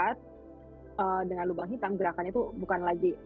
lihat dengan lubang hitam gerakannya itu bukan lagi